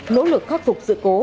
nỗ lực khắc phục sự cố